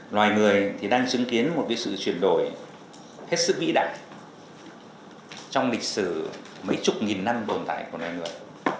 loài người thì đang chứng kiến một sự chuyển đổi hết sức vĩ đại trong lịch sử mấy chục nghìn năm bồn tải của loài người